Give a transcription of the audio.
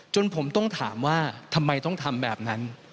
จนผมต้องถามว่าทำไมต้องทำแบบนั้น